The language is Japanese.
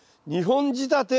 ２本仕立て。